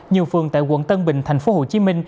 nhiều phường tại quận tân bình tp hcm